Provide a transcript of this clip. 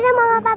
dadah mama papa